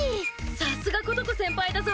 さすがことこ先輩だぞ。